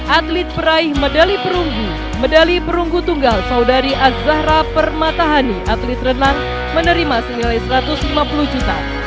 atlet peraih medali perunggu medali perunggu tunggal saudari azzahra permatahani atlet renang menerima senilai satu ratus lima puluh juta